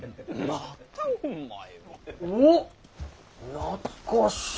懐かしい。